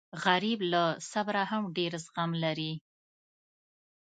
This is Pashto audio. غریب له صبره هم ډېر زغم لري